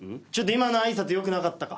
今の挨拶よくなかったか。